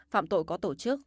phạm tội có tổ chức